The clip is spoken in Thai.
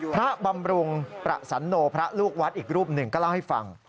บำรุงประสันโนพระลูกวัดอีกรูปหนึ่งก็เล่าให้ฟัง